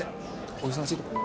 お忙しいところ。